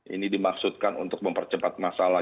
ini dimaksudkan untuk mempercepat masalah